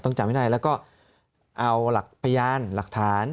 จำให้ได้แล้วก็เอาหลักพยานหลักฐาน